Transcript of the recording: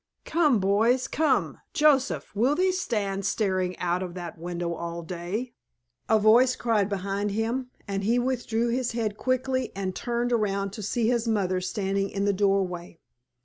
"Come, boys—come, Joseph, will thee stand staring out of that window all day?" a voice cried behind him, and he withdrew his head quickly and turned around to see his mother standing in the doorway.